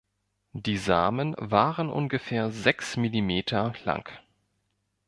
Die Samen waren ungefähr sechs Millimeter lang.